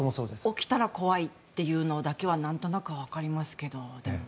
起きたら怖いというのだけはなんとなくはわかりますけどでもね。